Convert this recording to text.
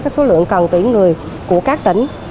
số lượng cần tuyển người của các tỉnh